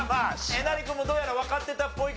えなり君もどうやらわかってたっぽいけど。